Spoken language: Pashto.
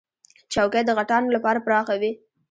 چوکۍ د غټانو لپاره پراخه وي.